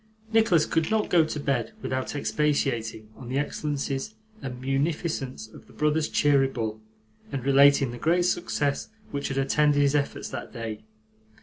Nicholas could not go to bed without expatiating on the excellences and munificence of the brothers Cheeryble, and relating the great success which had attended his efforts that day.